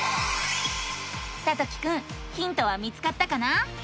さときくんヒントは見つかったかな？